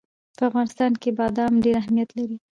په افغانستان کې بادام ډېر اهمیت لري.